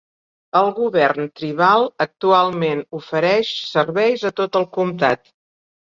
El govern tribal actualment ofereix serveis a tot el comtat.